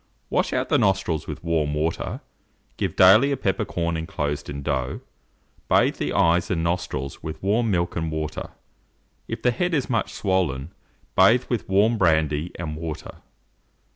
Wash out the nostrils with warm water, give daily a peppercorn inclosed in dough; bathe the eyes and nostrils with warm milk and water. If the head is much swollen, bathe with warm brandy and water.